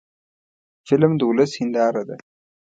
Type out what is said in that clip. فلم د ولس هنداره ده